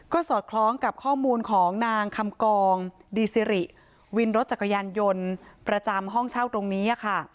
ก็สอดคล้องกับข้อมูลของนางคำกองดีซิริวินรถจักรยานยนต์ประจำห้องเช่าตรงนี้ค่ะ